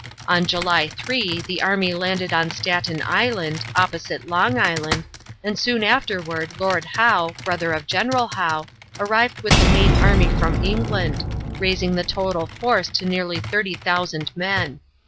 On July 3 the army landed on Staten Island, opposite Long Island, and soon afterward Lord Howe, brother of General Howe, arrived with the main army from England, raising the total force to nearly 30,000 men.